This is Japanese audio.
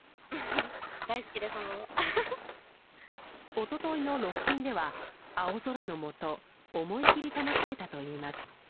一昨日のロッキンでは青空のもと思い切り楽しめたといいます。